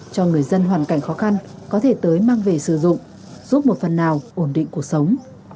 cho người dân hoàn cảnh khó khăn có thể tới mang về sử dụng giúp một phần nào ổn định cuộc sống